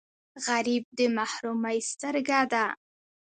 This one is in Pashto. غریب د محرومۍ سترګه ده